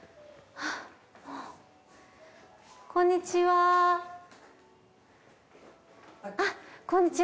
あっこんにちは。